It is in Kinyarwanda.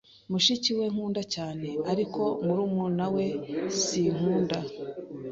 Mushiki we nkunda cyane, ariko murumuna we sinkunda.